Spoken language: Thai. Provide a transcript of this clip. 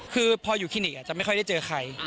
คือพออยู่คลินิกจะไม่ค่อยได้เจอใคร